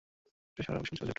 এটি সারার অভিষেক চলচ্চিত্র।